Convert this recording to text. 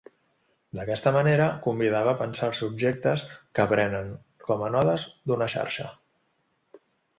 D'aquesta manera, convidava a pensar als subjectes que aprenen com a nodes d'una xarxa.